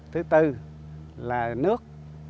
thứ tư là nước